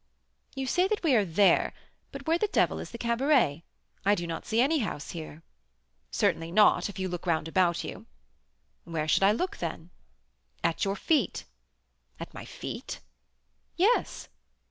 "You say that we are there, but where the devil is the cabaret? I do not see any house here." "Certainly not, if you look round about you." "Where should I look, then?" "At your feet." "At my feet?" "Yes."